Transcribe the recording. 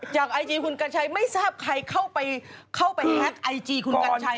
จากไอจีขุนกันชัยไม่ทราบใครเข้าไปแฮดไอจีขุนกันชัย